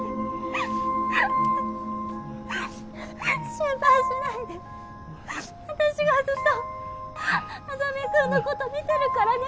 心配しないで私がずっと莇君のこと見てるからね。